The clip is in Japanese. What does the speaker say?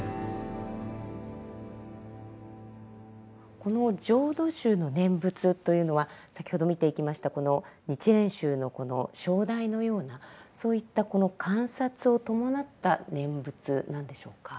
この浄土宗の念仏というのは先ほど見ていきましたこの日蓮宗のこの唱題のようなそういったこの観察を伴った念仏なんでしょうか。